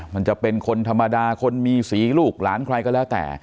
มันจะเป็นคนธรรมดาคนมีสีลูกหลานใครก็แล้วแต่